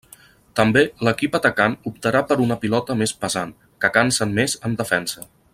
També l'equip atacant optarà per una pilota més pesant, que cansen més en defensa.